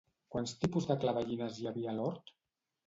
Quants tipus de clavellines hi havia a l'hort?